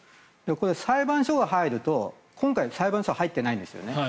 これ、裁判所が入ると今回、裁判所入ってないんですよね。